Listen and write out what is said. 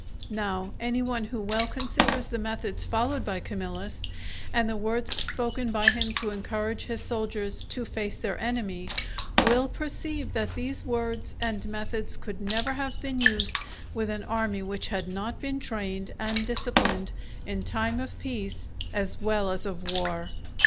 Now, any one who well considers the methods followed by Camillus, and the words spoken by him to encourage his soldiers to face their enemy, will perceive that these words and methods could never have been used with an army which had not been trained and disciplined in time of peace as well as of war.